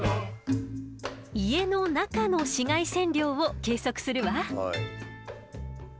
家の中の紫外線量を計測するわ。